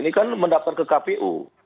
ini kan mendaftar ke kpu